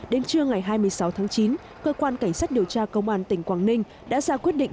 đến trưa ngày hai mươi sáu tháng chín cơ quan cảnh sát điều tra công an tỉnh quảng ninh đã ra quyết định